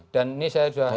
dan ini saya sudah